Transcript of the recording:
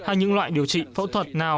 hay những loại điều trị phẫu thuật nào